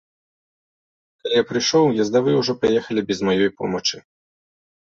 Калі я прыйшоў, ездавыя ўжо паехалі без маёй помачы.